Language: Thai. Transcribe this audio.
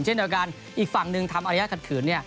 เช่นเดียวกันอีกฝั่งหนึ่งทำอารยาทขัดขืน